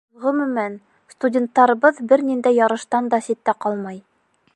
Ғөмүмән, студенттарыбыҙ бер ниндәй ярыштан да ситтә ҡалмай.